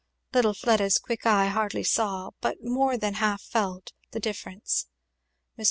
Little Fleda's quick eye hardly saw, but more than half felt, the difference. Mr.